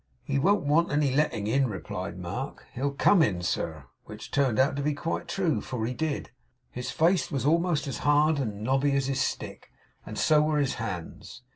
'He won't want any letting in,' replied Mark. 'He'll come in, sir.' Which turned out to be quite true, for he did. His face was almost as hard and knobby as his stick; and so were his hands.